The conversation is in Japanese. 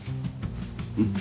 うん？